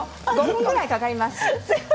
５分ぐらいかかります。